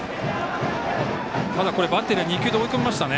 ただ、これバッテリーは２球で追い込みましたね。